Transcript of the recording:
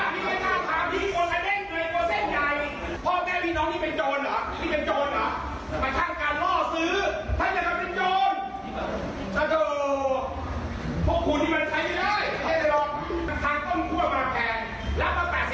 โรงพักโรงพักโรงพักโรงพัก